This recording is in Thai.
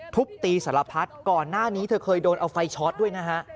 ทุบตีสารพัดก่อนหน้านี้เธอเคยโดนเอาไฟช็อตด้วยนะฮะ